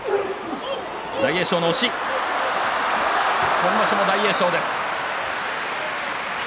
今場所も大栄翔です。